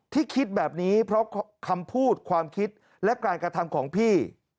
คิดแบบนี้เพราะคำพูดความคิดและการกระทำของพี่